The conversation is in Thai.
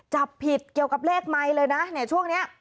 จับผิดเกี่ยวกับเลขไมค์เลยนะเนี่ยช่วงนี้